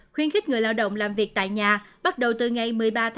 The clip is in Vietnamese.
khuyên khích người lao động làm việc tại nhà bắt đầu từ ngày một mươi ba một mươi hai